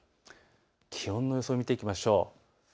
気温の予想を見ていきましょう。